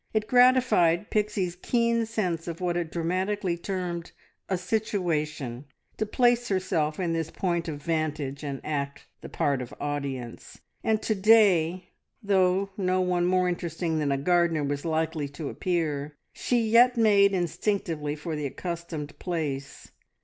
It gratified Pixie's keen sense of what it dramatically termed "a situation" to place herself in this point of vantage and act the part of audience; and to day, though no one more interesting than a gardener was likely to appear, she yet made instinctively for the accustomed place.